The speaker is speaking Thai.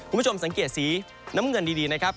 คุณผู้ชมสังเกตสีน้ำเงินดีนะครับ